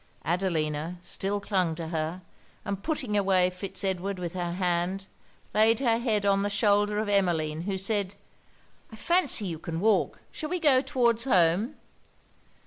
Adelina still clung to her; and putting away Fitz Edward with her hand, laid her head on the shoulder of Emmeline, who said 'I fancy you can walk. Shall we go towards home?'